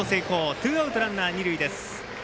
ツーアウト、ランナー、二塁です。